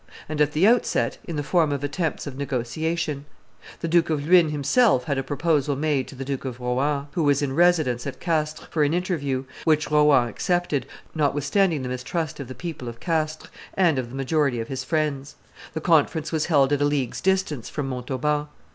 And, at the outset, in the form of attempts at negotiation. The Duke of Luynes himself had a proposal made to the Duke of Rohan, who was in residence at Castres, for an interview, which Rohan accepted, notwithstanding the mistrust of the people of Castres, and of the majority of his friends. The conference was held at a league's distance from Montauban.